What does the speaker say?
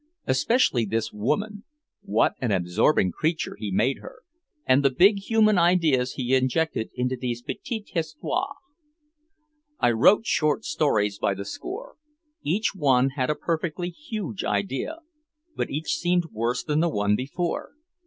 Especially this woman, what an absorbing creature he made her and the big human ideas he injected into these petites histoires. I wrote short stories by the score. Each one had a perfectly huge idea but each seemed worse than the one before.